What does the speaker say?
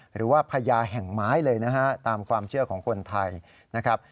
หรือว่าพญาแห่งไม้เลยนะฮะตามความเชื่อของคนไทยนะครับ